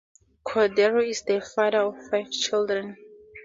Cordero is the father of five children.